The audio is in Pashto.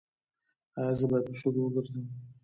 ایا زه باید په شګو وګرځم؟